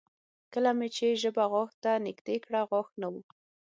کله مې چې ژبه غاښ ته نږدې کړه غاښ نه و